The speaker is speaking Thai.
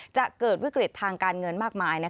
จะเกิดวิกฤตทางการเงินมากมาย